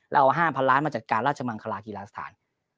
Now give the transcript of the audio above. เอา๕๐๐ล้านมาจัดการราชมังคลากีฬาสถาน